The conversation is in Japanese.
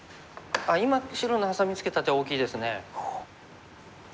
今白のハサミツケた手は大きいですね。